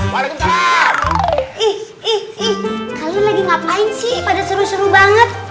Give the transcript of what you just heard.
kalian lagi ngapain sih pada seru seru banget